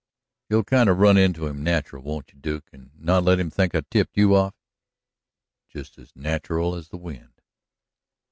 "You'll kind of run into him natural, won't you, Duke, and not let him think I tipped you off?" "Just as natural as the wind."